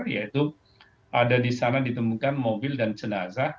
yaitu ada di sana ditemukan mobil dan jenazah